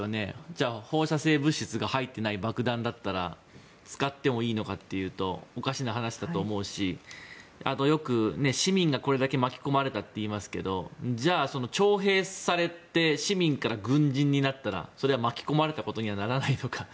じゃあ放射性物質が入ってない爆弾だったら使ってもいいのかというとおかしな話だと思うしあとよく、市民がこれだけ巻き込まれたといいますけどじゃあ、徴兵されて市民から軍人になったらそれは巻き込まれたことにはならないのか。